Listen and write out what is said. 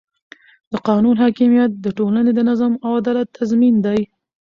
د قانون حاکمیت د ټولنې د نظم او عدالت تضمین دی